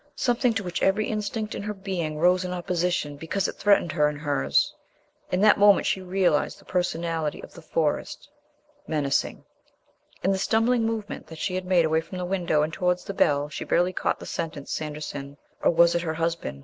something to which every instinct in her being rose in opposition because it threatened her and hers. In that moment she realized the Personality of the Forest... menacing. In the stumbling movement that she made away from the window and towards the bell she barely caught the sentence Sanderson or was it her husband?